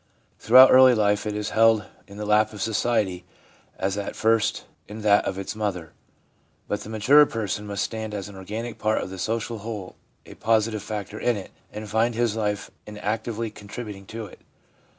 Throughout early life it is held in the lap of society as at first in that of its mother. But the mature person must stand as an organic part of the social whole, a positive factor in it, and find his life in actively contributing to it.